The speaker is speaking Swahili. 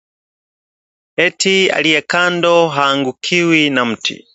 Eti aliye kando haangukiwi na mti